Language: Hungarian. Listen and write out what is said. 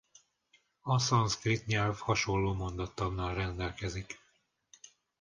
A szanszkrit nyelv hasonló mondattannal rendelkezik.